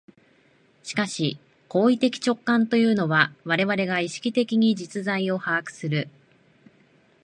しかし行為的直観というのは、我々が意識的に実在を把握する、